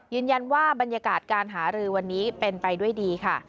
ยืนยันว่าบรรยากาศการหารือวันนี้เป็นไปด้วยดีค่ะ